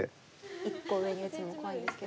１個上に打つのは怖いんですけど。